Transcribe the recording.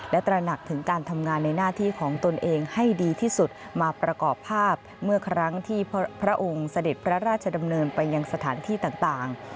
และตระหนักถึงการทำงานในหน้าที่ของตนเองให้ดีที่สุดมาประกอบภาพเมื่อครั้งที่พระองค์เสด็จพระราชดำเนินไปยังสถานที่ต่าง